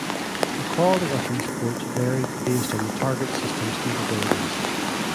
The quality of these ports varied based on the target system's capabilities.